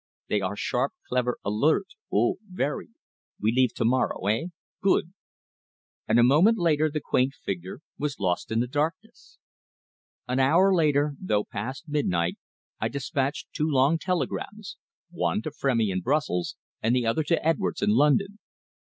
They are sharp, clever, alert oh, ve ry! We leave to morrow eh? Good!" And a moment later the quaint figure was lost in the darkness. An hour later, though past midnight, I despatched two long telegrams one to Frémy in Brussels, and the other to Edwards in London.